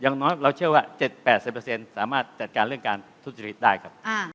ก็๗๐๘๐สามารถจัดการเรื่องการทุกชีวิตได้ครับ